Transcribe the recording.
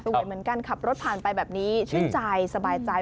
เหมือนกันขับรถผ่านไปแบบนี้ชื่นใจสบายใจ